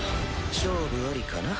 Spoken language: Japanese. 勝負ありかな。